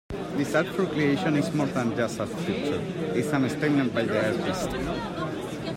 This artful creation is more than just a picture, it's a statement by the artist.